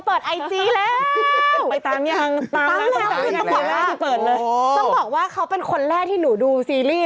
เปิดไอจีแล้วไปตามยังตามแล้วต้องบอกว่าเขาเป็นคนแรกที่หนูดูซีรีส์